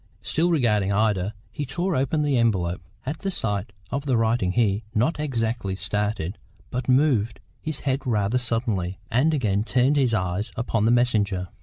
Still regarding Ida, he tore open the envelope. At the sight of the writing he, not exactly started, but moved his head rather suddenly, and again turned his eyes upon the messenger.